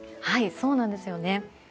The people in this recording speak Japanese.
はい、そうなんですよね。